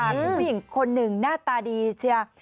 คุณผู้หญิงคนหนึ่งหน้าตาดีเชีย